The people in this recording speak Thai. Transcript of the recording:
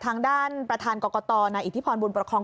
ทางด้านประธานกรกตนายอิทธิพรบุญประคอง